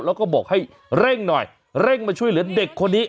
แล้วก็บอกให้เร่งหน่อยเร่งมาช่วยเหลือเด็กคนนี้